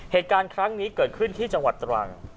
เหตุการณ์ครั้งนี้เกิดขึ้นที่จังหวัดตรัง